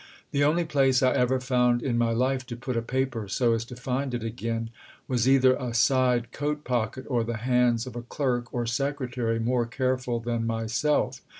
The only place I ever found in my life to put a paper so as to find it again was either a side coat pocket or the hands of a clerk or secretary more careful than myself.